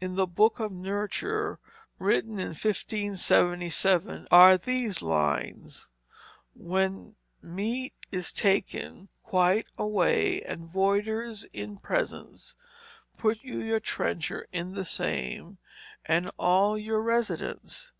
In the Boke of Nurture, written in 1577, are these lines: "When meate is taken quyte awaye And Voyders in presence, Put you your trenchour in the same and all your resydence.